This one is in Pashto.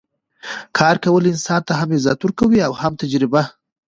کار کول انسان ته هم عزت ورکوي او هم تجربه